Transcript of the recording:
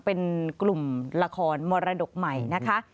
เป็นกลุ่มละครมรดกใหม่นะคะ